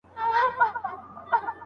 قدرت ته په کتو سره مه غولیږه.